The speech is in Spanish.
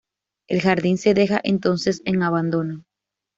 El jardín se deja entonces en abandono.